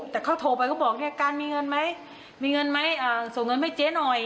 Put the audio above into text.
แต่เขาโทรไปเขาบอกเนี่ยการมีเงินไหมมีเงินไหมส่งเงินให้เจ๊หน่อย